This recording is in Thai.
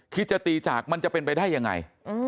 จะตีจากมันจะเป็นไปได้ยังไง